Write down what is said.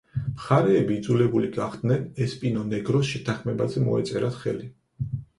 მხარეები იძულებული გახდნენ ესპინო ნეგროს შეთანხმებაზე მოეწერათ ხელი.